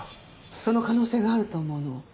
その可能性があると思うの。